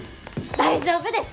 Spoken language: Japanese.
大丈夫です！